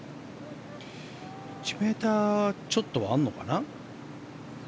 １ｍちょっとはあるかな。